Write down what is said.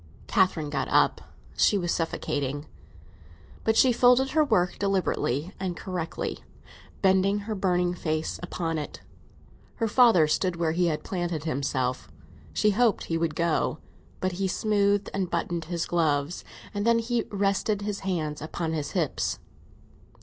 Catherine got up; she was suffocating. But she folded her work, deliberately and correctly, bending her burning face upon it. Her father stood where he had planted himself; she hoped he would go, but he smoothed and buttoned his gloves, and then he rested his hands upon his hips.